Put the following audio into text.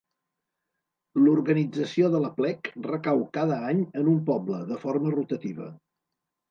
L'organització de l'Aplec recau cada any en un poble, de forma rotativa.